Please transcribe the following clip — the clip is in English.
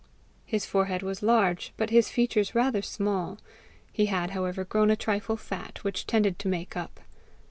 His forehead was large, but his features rather small; he had, however, grown a trifle fat, which tended to make up.